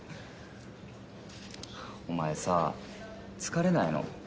お前さ疲れないの？